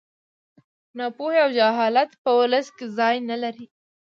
ناپوهي او جهالت په ولس کې ځای نه لري